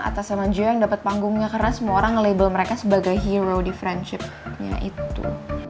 atas sama jo yang dapet panggungnya karena semua orang nge label mereka sebagai hero di friendshipnya itu